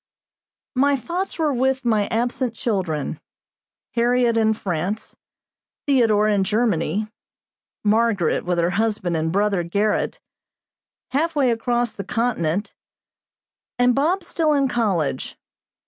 My thoughts were with my absent children Harriot in France, Theodore in Germany, Margaret with her husband and brother Gerrit, halfway across the continent, and Bob still in college.